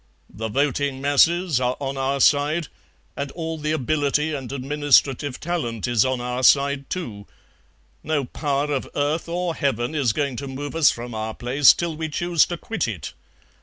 The voting masses are on our side, and all the ability and administrative talent is on our side too. No power of earth or Heaven is going to move us from our place till we choose to quit it.